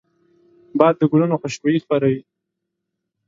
باد د ګلونو خوشبويي خپروي